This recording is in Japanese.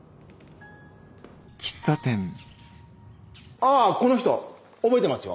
ああこの人覚えてますよ。